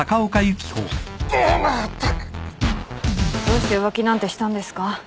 どうして浮気なんてしたんですか？